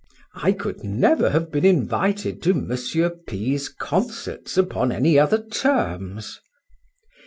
I could never have been invited to Mons. P—'s concerts upon any other terms.